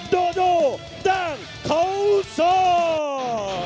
โดโดดังโท้ซ่อน